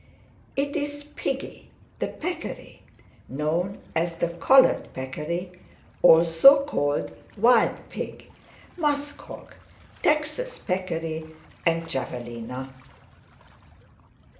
It is Piggy the Peccary, known as the Collared Peccary, also called Wild Pig, Muskhog, Texas Peccary and Javelina.